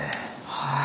はい。